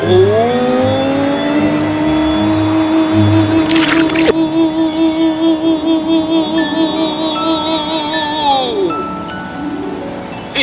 aku ingin menjadi ratu